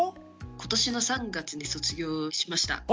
今年の３月に卒業しました。